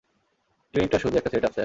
ক্লিনিকটা শুধু একটা set up, sir.